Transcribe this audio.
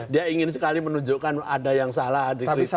dia ingin sekali menunjukkan ada yang salah